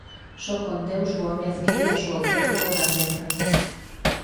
Só con Deus o home adquire a súa auténtica grandeza.